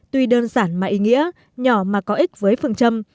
tuy đơn giản mà ý nghĩa nhỏ mà có ích với phương châm